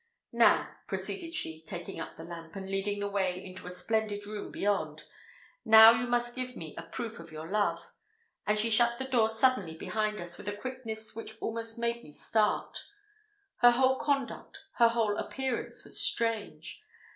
"Now," proceeded she, taking up the lamp, and leading the way into a splendid room beyond "now you must give me a proof of your love;" and she shut the door suddenly behind us with a quickness which almost made me start. Her whole conduct, her whole appearance was strange.